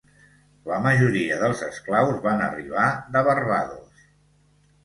La majoria dels esclaus van arribar de Barbados.